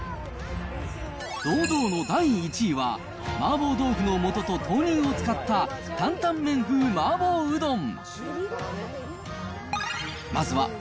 堂々の第１位は、麻婆豆腐のもとと豆乳を使った、担々麺風麻婆うどん。